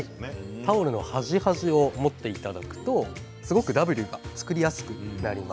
タオルの端端を持っていただくとＷが作りやすくなります。